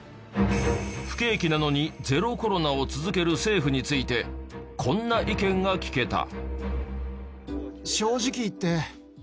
不景気なのにゼロコロナを続ける政府についてこんな意見が聞けた。